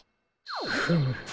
フム！